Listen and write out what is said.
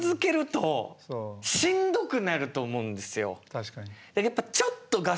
確かに。